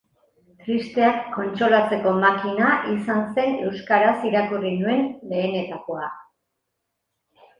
Tristeak kontsolatzeko makina izan zen euskaraz irakurri nuen lehenetakoa.